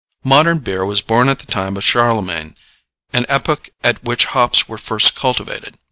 Modern beer was born at the time of Charlemagne, an epoch at which hops were first cultivated.